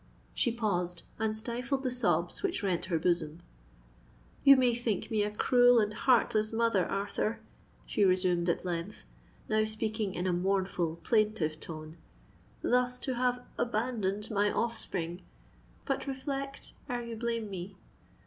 She paused, and stifled the sobs which rent her bosom. "You may think me a cruel and heartless mother, Arthur," she resumed at length, now speaking in a mournful, plaintive tone, "thus to have abandoned my offspring: but reflect ere you blame me!